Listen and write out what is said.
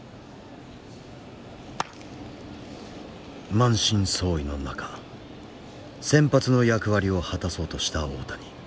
満身創痍の中先発の役割を果たそうとした大谷。